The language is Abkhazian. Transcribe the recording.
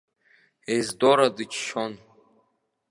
Ездора дыччон.